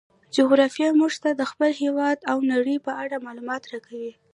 جغرافیه موږ ته د خپل هیواد او نړۍ په اړه معلومات راکوي.